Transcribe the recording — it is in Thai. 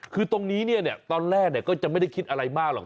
คือตรงนี้ตอนแรกก็จะไม่ได้คิดอะไรมากหรอก